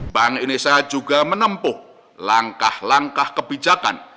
bank indonesia juga menempuh langkah langkah kebijakan